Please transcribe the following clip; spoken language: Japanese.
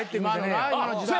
今の時代。